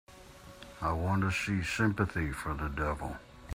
I want to see Sympathy for the Devil